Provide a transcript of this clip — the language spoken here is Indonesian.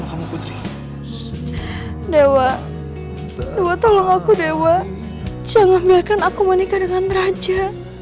aku dewa jangan biarkan aku menikah dengan raja